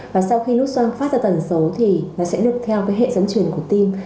và sau khi luxon phát ra tần số thì nó sẽ được theo cái hệ dẫn truyền của tim